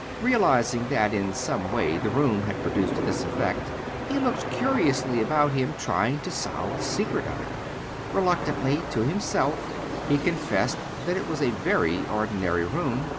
Realizing that, in some way, the room had produced this effect, he looked curiously about him, trying to solve the secret of it. Reluctantly to himself he confessed that it was a very ordinary room.